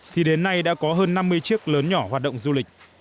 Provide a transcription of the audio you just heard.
thì đến nay đã có hơn năm mươi chiếc lớn nhỏ hoạt động du lịch